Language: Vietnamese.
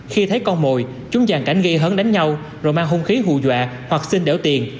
khi thấy con mồi chúng giàn cảnh gây hấn đánh nhau rồi mang hung khí hù dọa hoặc xin đỡ tiền